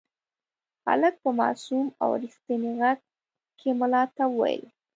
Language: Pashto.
هلک په معصوم او رښتیني غږ کې ملا ته وویل.